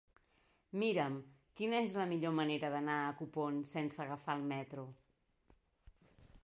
Mira'm quina és la millor manera d'anar a Copons sense agafar el metro.